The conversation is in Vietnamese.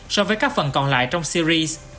so với các phần còn lại trong series